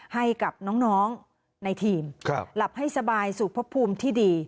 ให้กับน้องในทีมหลับให้สบายสู่พบภูมิที่ดี